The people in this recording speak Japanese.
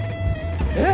えっ！